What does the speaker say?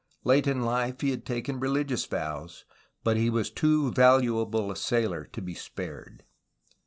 Late in life he had taken religious vows, but he was too valuable a sailor to be spared.